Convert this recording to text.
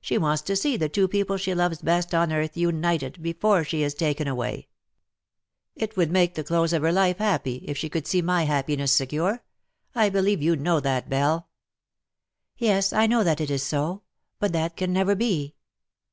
She wants to see the two people she loves best on earth united, before she is taken away. It would make the close of her life 1:20 '"' THAT LIP AND VOICE happy^ if she could see my happiness secure. I believe you know that, Belle /^" Yes_, I know that it is so. But that can never be."